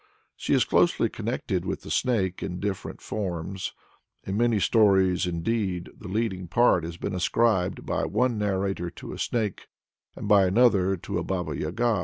She is closely connected with the Snake in different forms; in many stories, indeed, the leading part has been ascribed by one narrator to a Snake and by another to a Baba Yaga.